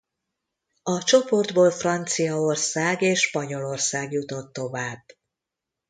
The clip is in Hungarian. A csoportból Franciaország és Spanyolország jutott tovább.